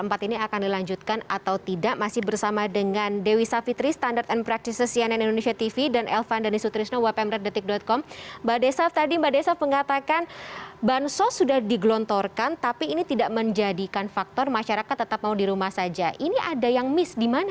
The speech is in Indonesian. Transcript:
menurut saya ketidak tidaknya ada dua ya ketidak tidaknya mungkin lebih